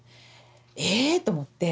えっ⁉と思って。